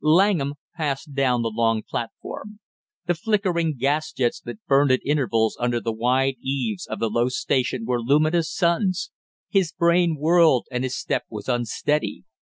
Langham passed down the long platform. The flickering gas jets that burned at intervals under the wide eaves of the low station were luminous suns, his brain whirled and his step was unsteady.